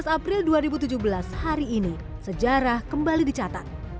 tujuh belas april dua ribu tujuh belas hari ini sejarah kembali dicatat